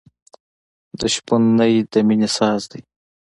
د شپون نی د مینې ساز دی.